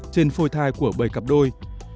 trên phôi thai của bảy cặp đôi